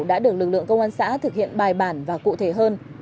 đã được lực lượng công an xã thực hiện bài bản và cụ thể hơn